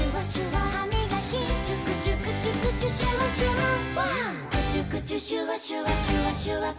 はい。